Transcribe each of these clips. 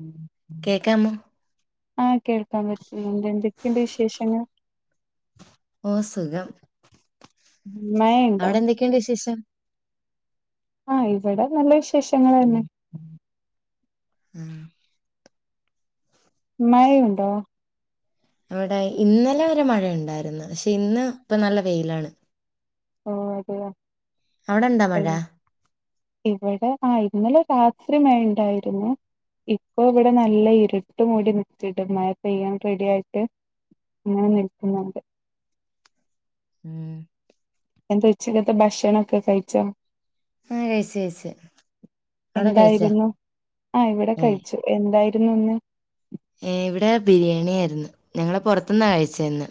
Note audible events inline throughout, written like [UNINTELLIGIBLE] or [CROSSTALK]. ഉം കേക്കാമോ? ആഹ് കേൾക്കാൻ പറ്റുന്നുണ്ട്. എന്തൊക്കെയുണ്ട് വിശേഷങ്ങൾ? ഓഹ് സുഖം മഴയിണ്ടോ? എന്ത് വിശേഷം? ആഹ് ഇവടെ നല്ല വിശേഷങ്ങളന്നെ ഉം മഴയുണ്ടോ? ഇവടെ ഇന്നലെ വരെ മഴ ണ്ടായിരുന്നു പക്ഷെ ഇന്ന് ഇപ്പം നല്ല വെയിലാണ്. ഓഹ് അതെയ അവടെ ണ്ട മഴ? ഇവടെ ആഹ് ഇന്നലെ രാത്രി മഴ ഇണ്ടായിരുന്നു. ഇപ്പൊ ഇവടെ നല്ല ഇര്ട്ട് മൂടി നിക്ക്ണ്ട് മഴ പെയ്യാൻ റെഡി ആയിട്ട്. ങ്ങനെ നിൽക്കുന്നുണ്ട് ഉം എന്തെ ഉച്ചക്കത്തെ ഭക്ഷണൊക്കെ കഴിച്ചോ? ആ കഴിച്ചു കഴിച്ചു അവിടെ കഴിച്ചാ എന്തായിരുന്നു ആഹ് ഇവടെ കഴിച്ചു. എന്തായിരുന്നു ഇന്ന്? ഏഹ് ഇവടെ ബിരിയാണി ആയ്രുന്നു ഞങ്ങള് പൊറത്ത്ന്നാ കഴിച്ചേന്ന്.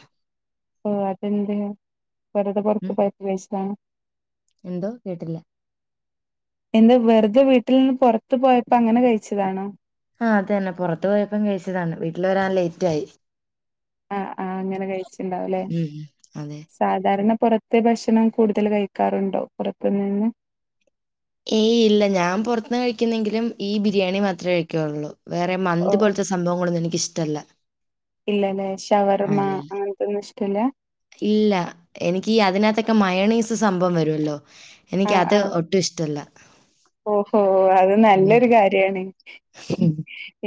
ഓഹ് അതെന്തേ വെറ്തെ പൊറത്ത് പോയപ്പൊ കഴിച്ചതാണോ? എന്തോ കേട്ടില്ല? എന്താ വെറുതെ വീട്ടിൽ നിന്ന് പൊറത്ത് പോയപ്പോ അങ്ങനെ കഴിച്ചതാണോ? ആഹ് അതന്നെ പൊറത്ത് പോയപ്പം കഴിച്ചതാണ്. വീട്ടിൽ വരാൻ ലെയ്റ്റായി. ആഹ് ആഹ് അങ്ങനെ കഴിച്ച്ണ്ടാവൂലെ. ഉം, അതെ സാധാരണ പൊറത്തെ ഭക്ഷണം കൂടുതൽ കഴിക്കാറുണ്ടോ പൊറത്ത് നിന്ന്? ഏയ് ഇല്ല. ഞാൻ പൊറത്ത്ന്ന് കഴിക്ക്ന്നെങ്കിലും ഈ ബിരിയാണി മാത്രെ കഴിക്കുള്ളൂ. വേറെ മന്തി ഓഹ് പോലത്തെ സ സംഭവങ്ങളൊന്നും എനിക്ക് ഇഷ്ടല്ല. ഇല്ലലേ? ഷവർമ്മ അങ്ങനത്തൊന്നും ഇഷ്ടല്ലാ? ഇല്ല എനിക്കീ അതിനകത്തൊക്കെ മയെണെയ്സ് സംഭവം വരുല്ലോ. എനിക്ക് ആഹ് അത് ആഹ് ഒട്ടും ഇഷ് ട്ടല്ല ഓഹോ അത് നല്ലൊരു കാര്യാണ്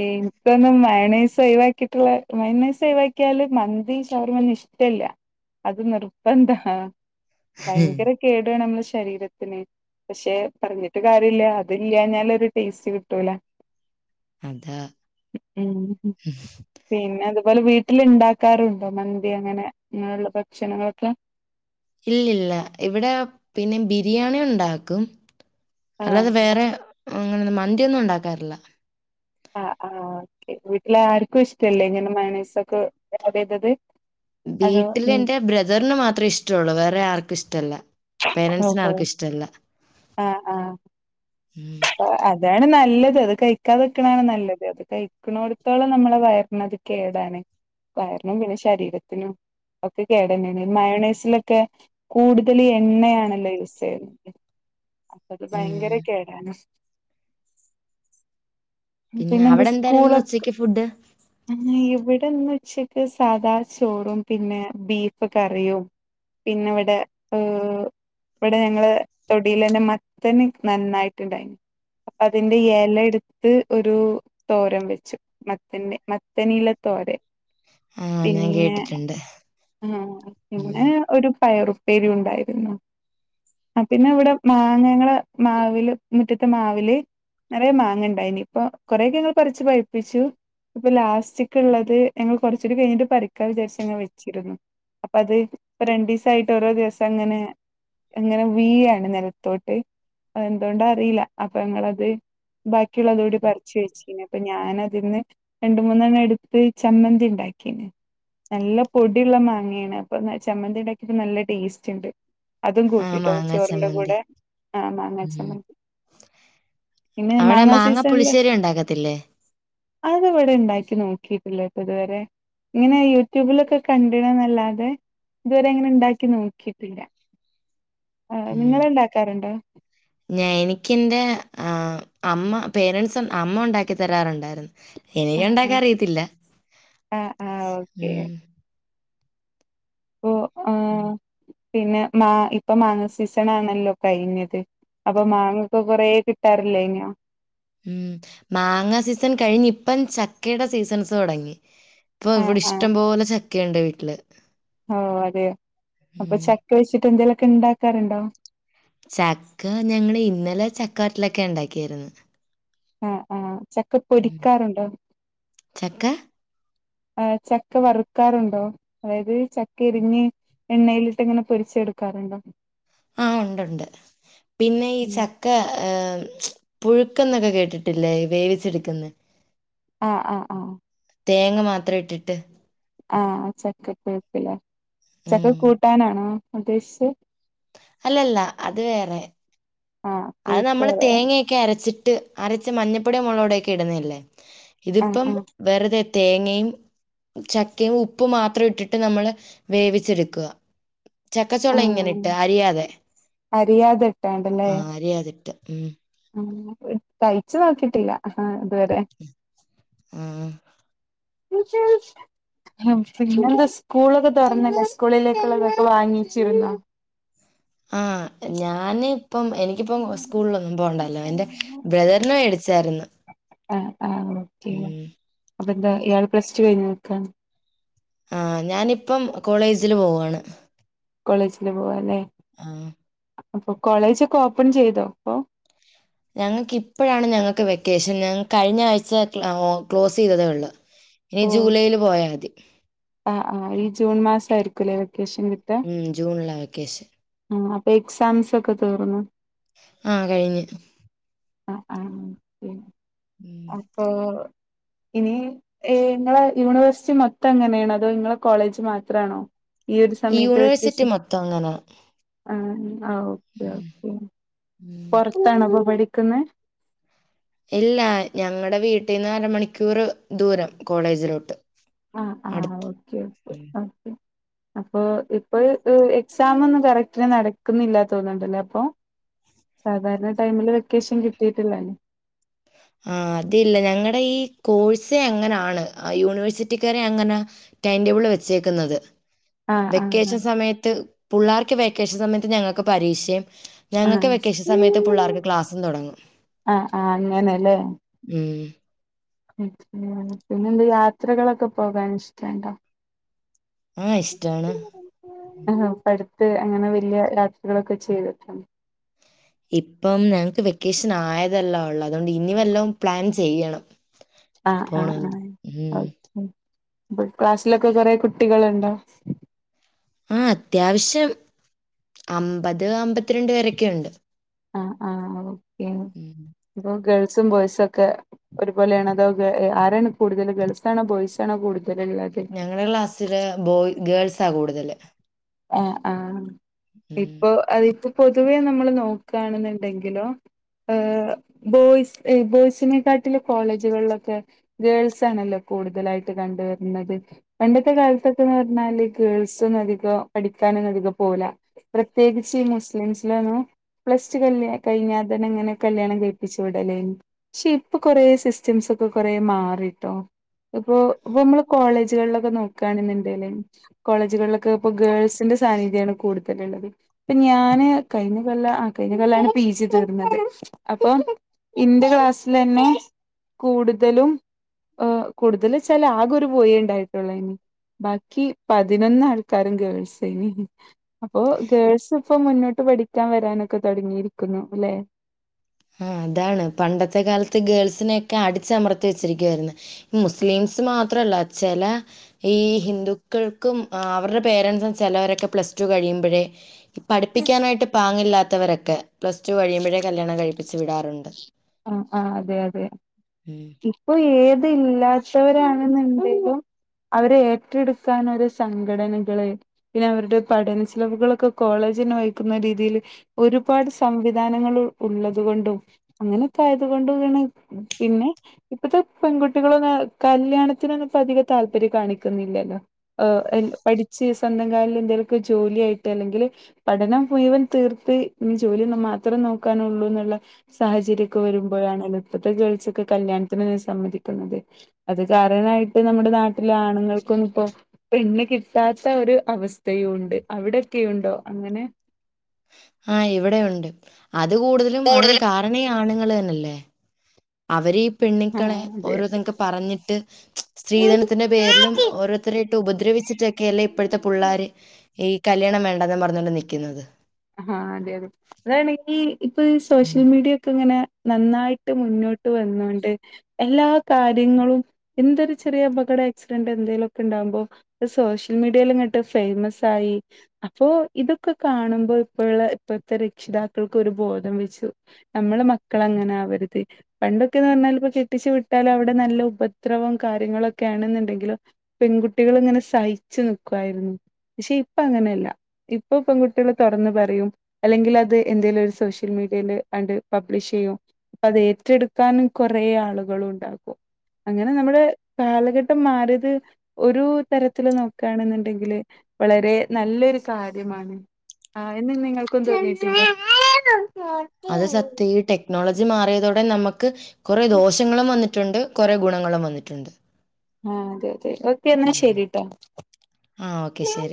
എനിക്കൊന്നും മയണെയ്സ് ഒഴിവാക്കിയിട്ടുള്ള മയണെയ്സ് ഒഴിവാക്കിയാല് മന്തി ഷവർമൊന്നും ഇഷ്ടല്ല. അത് നിർബന്ധാ ഭയങ്കര കേടാണ് നമ്മളെ ശരീരത്തിന് പക്ഷെ പറഞ്ഞ കാര്യല്ല അത് ഇല്ലാഞ്ഞാല് ഒര് ടേസ്റ്റ് കിട്ടൂല. അതാ. ഉം പിന്നെ അതുപോലെ വീട്ടില് ണ്ടാക്കാറ്ണ്ടോ മന്തി അങ്ങനെ അങ്ങനെള്ള ഭക്ഷണങ്ങളൊക്കെ? ഇല്ലില്ല ഇവിടെ പിന്നെ ബിരിയാണി ഉണ്ടാക്കും. ആഹ് അല്ലാതെ വേറെ അങ്ങനൊന്നു മന്തിയൊന്നും ണ്ടാക്കാറല്ല ആഹ് ആഹ് ഒക്കെ വീട്ടിലാര്ക്കും ഇഷ്ടല്ലേ ഇങ്ങനെ മയൊണെയ്സൊക്കെ ചെയ്തത്? അതോ ഉം വീട്ടിലെന്റെ ബ്രദറിന് മാത്രേ ഇഷ്ടൊള്ളു വേറെ ആർക്കും ഇഷ്ടല്ല. ഓഹോ പേരൻസ്നാർക്കും ഇഷ്ടല്ല. ആഹ് ആഹ് അതാണ് നല്ലത് അത് കഴിക്കാതെക്ക്ണാണ് നല്ലത്. അത് കഴിക്കണോട്ത്തോളം നമ്മളെ വയറ്നത് കേടാണ് വയറ്നും പിന്നെ ശരീരത്തിനും. ഒക്കെ കേടന്നേണ് മയോണേസിലൊക്കെ കൂടുതൽ ണ്ണയാണല്ലോ യൂസെയ്യ്ന്നത് അപ്പത് ഭയങ്കര ഉം. കേ പിന്നെ അവിടെ എന്തായിരുന്നു ഇന്ന് [UNINTELLIGIBLE] ഉച്ചയ്ക്ക് ഫുഡ്? ഇവിടെന്നുച്ചക്ക് സാധാ ചോറും പിന്നെ ബീഫ് കറിയും. പിന്നെവിടെ ഏഹ് വെടെ ഞങ്ങളെ തൊടീലെന്നെ മത്തന നന്നായിട്ട്ണ്ടായ്ന്. അപ്പ അതിന്റെ എല എടുത്ത് ഒരു തോരം വെച്ചു. മത്തൻ്റെ മത്തനില തോരെൻ. ആ ഞാൻ പിന്നെ കേട്ടിട്ടുണ്ട്. ഉം. പിന്നെ ഒരു പയറുപ്പേരി ഉണ്ടായിരുന്നു. പിന്നെവടെ മാങ്ങകള് മാവില് മുറ്റത്തെ മാവില് നെറയെ മാങ്ങണ്ടായിനി പ്പൊ കൊറെയൊക്കെ ങ്ങള് പറിച്ച് പഴ്പ്പിച്ചു. പ്പൊ ലാസ്റ്റക്ള്ളത് ഞങ്ങള് കൊറച്ചൂടി കഴിഞ്ഞിട്ട് പറിക്കാ വിചാരിച്ചങ്ങനെ വെച്ചിരുന്നു അപ്പത് പ്പൊരണ്ടീസായിട്ട് ഓരോ ദിവസങ്ങനെ അങ്ങനെ വീഴാണ് നെലത്തോട്ട് അ എന്തോണ്ടാ അറീല്ല അപ്പൊ ഞങ്ങളത്. ബാക്കിള്ളതൂടി പറിച്ച് വെച് അപ്പൊ ഞാന അതിന്ന് രണ്ട് മൂന്നെണ്ണേട്ത്ത് ചമ്മന്തി ണ്ടാക്കീന് നല്ല പൊടിള്ള മാങ്ങയാണ് അപ്പൊ ചമ്മന്തി ണ്ടാക്കിയപ്പോ നല്ല ടേസ്റ്റ്ണ്ട്. അതും ആ കൂട്ടിട്ടോ മാങ്ങാ ചോറിന്റെ ചമ്മന്തി. കൂടെ ആ മാങ്ങ ഉം. ചമ്മന്തി പിന്നെ അവിടെ മാങ്ങാ സീസൺല്. പുളിശ്ശേരി ഉണ്ടാക്കത്തില്ലേ? അത് ഇവിടെണ്ടാക്കി നോക്കിട്ടില്ലട്ടൊ ഇതുവരെ ഇങ്ങനെ യൂട്യൂബിലൊക്കെ കണ്ട്ണ് ന്നല്ലാതെ ഇതുവരെ അങ്ങനെ ണ്ടാക്കി നോക്കിട്ടില്ല. ആ നിങ്ങള്ണ്ടാക്കാറുണ്ടോ? ഞൻ എനിക്കെന്റെ ആ അമ്മ പേരൻറ്സ് അമ്മ ഉണ്ടാക്കി തരാറുണ്ടായിരുന്നു. ആ ആ എനിക്ക്ണ്ടാക്ക അറിയത്തില്ല. ആ ആ ഓക്കെ ഓ ആഹ് ഉം. പിന്നെ മാ ഇപ്പൊ മാങ്ങ സീസണല്ലോ കഴിഞ്ഞത് അപ്പൊ മാങ്ങക്കെ കൊറേ കിട്ടാറില്യേന്യ ഉം മാങ്ങ സീസൺ കഴിഞ്ഞ് ഇപ്പം ചക്കേടെ സീസൺസ് തൊടങ്ങി ഇപ്പൊ ആ വിടെ ആ ഇഷ്ടംപോലെ ചക്കേണ്ട് വീട്ടില് ഓ അതെ അപ്പൊ ഉം. ചക്ക വെച്ചിട്ട് എന്തേലൊക്കെ ണ്ടാക്കാറുണ്ടോ? ചക്ക ഞങ്ങള് ഇന്നലെ ചക്കാട്ടിലൊക്കെ ണ്ടാക്കിയാരുന്നു ആ ആ ചക്ക ഉം. പൊരിക്കാറുണ്ടോ? ചക്ക ആ ചക്ക വറുക്കാറുണ്ടോ അതായത് ചക്ക ഇരിഞ്ഞ് എണ്ണയിലിട്ടിങ്ങനെ പൊരിച്ചെടുക്കാറുണ്ടോ? ആ ഒണ്ട്ണ്ട് പിന്നെ ഈ ച ഉം ക്ക ഏ പുഴുക്ക് ന്നൊക്കെ കേട്ടിട്ടില്ലേ വേവിച്ചെടുക്കുന്ന് ആ ആ ആഅ തേങ്ങ മാത്രട്ടിട്ട് ആ ചക്ക പുഴ്ക്കിലേ ഉം. ചക്ക കൂട്ടാനാണോ ഉദ്ദേശിച്ച് അല്ലല്ല അത് വേറെ ആഹ് അത് പുഴുക്ക് ന്നമ്മള് പറയാ തേങ്ങയൊക്കെ അരച്ചിട്ട് അരച്ച് മഞ്ഞപ്പൊടി മുളക് പൊടിയൊക്കട്ന്നല്യേ ആഹ് ഇതിപ്പം ആഹ് വെറുതെ തേങ്ങയും ചക്കേം ഉപ്പ് മാത്രം ഇട്ടിട്ട് ന്നമ്മള് വേവിച്ചെട്ക്ക ആഹ് ചക്കച്ചോളയിങ്ങനെട്ട് അരിയാതെ അരിയാതെ ആ ഈ അതിട്ട് ഉം കയ്ച്ചു നോക്കീട്ടില്ല ആഇതുവരെ ആ [UNINTELLIGIBLE] പിന്നെന്താ സ്കൂളൊക്കെ തുറന്നല്ലെ സ്കൂളിലേക്കുള്ളതൊക്കെ വാങ്ങിച്ചിരുന്നോ? ആ ഞാന് പ്പം എനി ക്കിപ്പം സ്കൂളിലൊന്നും പോണ്ടാല്ലോ എന്റെ ബ്രദറിന് മേടിച്ചാരുന്നു അ ആ ഓക്കെയോ അപ്പന്താ ഇയാള് പ്ലസ്ടു കയിഞ്ഞു നിക്കാണോ? ആ ഞാനിപ്പം കോളേജില് പോവാണ് കോളേജില് പോവാല്ലേ ആ അപ്പൊ പ്പൊ കോളേജോക്കെ ഓപ്പൺ ചെയ്തോ പ്പൊ ഞങ്ങക്കിപ്പഴാണ് ഞങ്ങക്ക് വെക്കേഷൻ ഞങ്ങക്ക് കഴിഞാഴ്ച ക്ലാ ക്ലോസ് ചെയ്തതേയൊള്ളു ഇനി ജൂലൈല് പോയാമതി ആആ ഈ ജൂൺ മാസം ആയിരിക്കുലെ വെക്കേഷൻ കിട്ട ഉം ജൂണിലാ വെക്കേഷൻ ആ അപ്പൊ എക്സാംസൊക്കെ തീർന്നൊ ആ കഴിഞ്ഞി അ ആ ഉം അപ്പോ ഇനി ഏ ങ്ങളെ യൂണിവേഴ്സിറ്റി മൊത്തം ങ്ങനേണോ അതോ ങ്ങളെ കോളേജ് മാത്രാണൊ ഈ ഒരു സമയത്ത് വെക്കേഷൻ തങ്ങന ആ ആ ഓക്കേ ഓക്കേ ഉം പൊറത്താണോ പ്പ പഠിക്കുന്നെ? ഇല്ല ഞങ്ങടെ വീട്ടീന്ന് അരമണിക്കൂറ് ദൂരം കോളേജിലോട്ട് ആ ആ അടുത്ത് ഓക്കെ ഓ ഉം ആ പി അപ്പൊ ഇപ്പൊ എക്സമൊന്നും കറക്റ്റിന് നടക്കുന്നില്ല തോന്ന്ണ്ട്ല്ലേ അപ്പൊ സാധാരണ ടൈമില് വെക്കേഷൻ കിട്ടീട്ടില്ലായിന്ന് ആ അതില്ല ഞങ്ങടെ ഈ കോഴ്സേ അങ്ങനാണ് യൂണിവേഴ്സിറ്റിക്കാരങ്ങനെ ടൈംടബിള് വെച്ചേക്ക്ന്നത് ആഹ് ആഹ് വെക്കേഷം സമയത്ത് പുള്ളാർക്ക് വെക്കേഷം സമയത്ത് ഞങ്ങക്ക് പരീക്ഷിം ആഹ് ഞങ്ങക്ക് ആഹ് വെക്കേഷ സമയത്ത് പുള്ളാർക്ക് ക്ലാസ്സും തൊടങ്ങും ആഹ് ആഹ് അങ്ങനെലേ ഉം അത പിന്നെന്ത് യാത്രകളൊക്ക പോകാൻ ഇഷ്റ്റണ്ടൊ ആഹ് ഇഷ്ടാണ് ആഹ് ഇപ്പടുത്ത് അങ്ങനെ വല്യ യാത്രകളൊക്കെ ചെയ്തിട്ട്ണ്ട് ഇപ്പം ഞങ്ങക്ക് വെക്കേഷൻ ആയതല്ല ഒള്ള് അതുകൊണ്ട് ഇനി വല്ലൊം പ്ലാൻ ചെയ്യണം ആഹ് ആഹ് പോണോങ്കി. ആഹ് ഉം. ഓക്കെ അപ്പ ക്ലാസ്സിലൊക്കെ കൊറേ കുട്ടികളുണ്ടൊ ആഹ് അത്യാവശ്യം. അമ്പത് അമ്പത്തിര്രണ്ട് പേരൊക്കെണ്ട് ആഹ് ആഹ് ഓക്കെ ഉം. അപൊ ഗേൾസും ബോയ്സൊക്കെ ഒരുപോലെയാണ് അതൊ ആരാണ് കൂടുതല് ഗേൾസാണൊ ബോയ്സാണൊ കൂടുതല്ള്ള ഞങ്ങടെ ക്ലാസ്സില് ബോയ് ഗേൾസാ കൂടുതല് ആഹ് ആഹ് ഉം. ഇപ്പൊ അതിപ്പൊ പൊതുവേ നമ്മള് നോക്കാണ്ന്ന്ണ്ടെങ്കിലും ഏഹ് ബോയ്സ് ബോയ്സിനെക്കാട്ടിലു കോളേജ്കളിലൊക്കെ ഗേൾസ് ആണല്ലൊ കൂടുതലായിട്ട് കണ്ട് വരുന്നത് പണ്ടത്തെ കാലത്തൊക്കെന്ന് പർഞ്ഞാല് ഗേൾസൊന്നും അധികം പഠിക്കാനൊന്നും അധികം പോല പ്രത്യേകിച്ച് ഇ മുസ്ലിംസ്ലിലൊന്നും പ്ലസ് ടു കല് കഴ്ഞ്ഞാ തന്നെ ഇങ്ങനെ കല്യാണം കഴ്പ്പിച്ചുവിടലേന്നു പക്ഷെ ഇപ്പ കൊറേ സിസ്റ്റംസൊക്ക കൊറേ മാറിട്ടൊ ഇപ്പൊ ഇപ്പ നമ്മള് കോളേജ്കൾലൊക്ക നോക്കാണ്ന്ന്ണ്ടേല് കോളേജ്കൾലൊക്കെ ഇപ്പ ഗേൾ സിന്റെ സാന്നിധ്യാണ് കൂട്തല്ള്ളത് ഇപ്പൊ ഞാന് കഴിഞ്ഞ കൊല് ആഹ് കഴിഞ്ഞ കൊല്ലാണ് പി ജി തീർന്നത് അപ്പൊ ഇന്റെ ക്ലാസ്സ്ലന്നെ കൂട്തലും ഏഹ് കൂടുതല് ചാല് ആകെ ഒര് ബോയി ഇണ്ടായിട്ടൊള്ളു അയിന് ബാക്കി പതിനൊന്ന് ആൾക്കാരും ഗേൾസ് അപ്പൊ ഗേൾസ് ഇപ്പൊ മുന്നോട്ട് പഠിക്കാൻ വരാനൊക്കെ തുടങ്ങിയിരിക്കുന്നു അല്ലെ ആഹ് അതാണ് പണ്ടത്തെ കാലത്ത് ഗേൾസിനെയൊക്കെ അടിച്ചമർത്തി വെച്ചിരിക്കുവായിരുന്നു മുസ്ലിംസ് മാത്രല്ല ചെല ഈ ഹിന്ദുക്കൾക്കും ആഹ് അവര്ടെ പേരൻസും ചിലരൊക്കെ പ്ലസ് ടു കഴിയുമ്പഴെ പഠിപ്പിക്കാനായിട്ട് പാങ്ങില്ലാത്തവരൊക്കെ പ്ലസ് ടു കഴിയുമ്പഴെ കല്യാണം കഴിപ്പിച്ച് വിടാറുണ്ട് ആഹ് ആഹ് അതെ അതെ ഉം. ഇപ്പ ഏത് ഇല്ലാത്തവരാണ്ന്ന്ണ്ടേലും അവരെ ഏറ്റെട്ക്കാനൊരു സംഘടനകള് പിന്നെ അവര്ടെ പഠനചിലവുകളൊക്ക കോളേജന്നെ വഹിക്കുന്ന രീതിയില് ഒരുപാട് സംവിധാനങ്ങള് ഉള്ളത് കൊണ്ടും അങ്ങനെയൊക്കെ ആയത് കൊണ്ട് പിന്നെ ഇപ്പത്തെ പെൺകുട്ടികളൊന്നു കല്യാണത്തിനൊന്നു ഇപ്പ അധികം താല്പര്യം കാണിക്കുന്നില്ലല്ലൊ ഏഹ് പഠിച്ച് സ്വന്തം കാൽല് എന്തീലൊക്ക ജോലിയായിട്ട് അല്ലെങ്കില് പഠനം മുഴുവൻ തീർത്ത് ജോലിയൊന്നു മാത്രം നോക്കാനുള്ളു ന്ന്ള്ള സാഹചര്യൊക്ക വരുമ്പഴാണ് ഇപ്പത്തെ ഗേൾസൊക്ക കല്യാണ്ത്തിന് സമ്മതിക്ക്ണത് അത് കാരണായിട്ട് നമ്മുടെ നാട്ടിലെ ആണുങ്ങൾക്കൊന്ന് ഇപ്പൊ പെണ്ണ് കിട്ടാത്ത ഒര് അവസ്ഥയൂണ്ട് അവിടൊക്കെയുണ്ടൊ അങ്ങനെ ആ ഇവിടെ ഉണ്ട് അത് കൂടുതലും അതിന് കാരണേ ആണുങ്ങൾ തന്നല്ലേ അവര് ഈ ആഹ് പെണ്ണക്കളെ അതെ ഓരോത പറഞ്ഞിട്ട് സ്ത്രീധനത്തിന്റെ പേരിലും ഓരോരുത്തരായിട്ട് ഉപദ്രവിച്ചി ട്ടക്കെല്ലേ ഇപ്പഴത്തെ പിള്ളാര് ഈ കല്യാണം വേണ്ടാന്ന് പറഞ്ഞോണ്ട് നിക്കുന്നത് ആഹ് അതെ അതെ അതാണെങ്കിൽ ഇപ്പൊ ഉം. സോഷ്യൽ മീഡിയ ഒക്കെ അങ്ങനെ നന്നായിട്ട് മുന്നോട്ട് വന്നോണ്ട് എല്ലാ കാര്യങ്ങളും എന്തൊരു ചെറിയ അപകട ആക്സിഡന്റ് എന്തേലൊക്കെ ഉണ്ടാകുമ്പോ സോഷ്യൽ മീഡിയൽ ഇങ്ങട്ട് ഫേമസ് ആയി അപ്പോ ഇതൊക്കെ കാണുമ്പോ ഇപ്പള്ള ഇപ്പത്തെ രക്ഷിതാക്കൾക്ക് ഒരു ബോധം വെച്ചു നമ്മള് മക്കള അങ്ങനാവരുത് പണ്ടൊക്കെന്ന് പർഞ്ഞാൽ ഇപ്പോ കെട്ടിച്ചു വിട്ടാലും അവ്ടെ നല്ല ഉപദ്രവവും കാര്യങ്ങളും ഒക്കെയാണെന്നുണ്ടെങ്കിലോ പെൺകുട്ടികൾ ഇങ്ങനെ സഹിച്ചു നിക്കുവായിരുന്നു പക്ഷെ ഇപ്പൊ അങ്ങനെയല്ല ഇപ്പൊ പെൺ കുട്ടികള് തുറന്ന് പറ യും അല്ലെങ്കിൽ അത് എന്തെലും ഒരു സോഷ്യൽ മീഡിയൽ അങ്ട്ട് പബ്ലിഷ് ചെയ്യും അപ്പ അത് ഏറ്റെടുക്കാനും കൊറേ ആളുകള് ഉണ്ടാകും അങ്ങനെ നമ്മളെ കാലഘട്ടം മാറരുത് ഒരു തരത്തില് നോക്കാണ്ന്നുണ്ടെങ്കില് വളരെ നല്ലൊരു കാര്യമാണ് എന്നും നിങ്ങൾക്കും തോന്നീട്ടില്ലെ അത് സത്യം ഈ ടെക്നോളജി മാറിയതോടെ നമുക്ക് കുറേ ദോഷങ്ങളും വന്നി ട്ടുണ്ട് കുറേ ഗുണങ്ങളും വന്നിട്ടുണ്ട് ആഹ് അതെ അതെ ഓക്കെ ന്നാ ഉം. ശരിട്ടാ ആ ഓക്കെ ശരി.